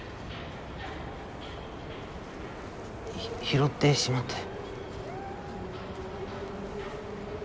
拾ってしまって。